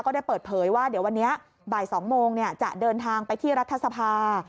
ได้เปิดเผยว่าเดี๋ยววันนี้บ่าย๒โมงจะเดินทางไปที่รัฐสภา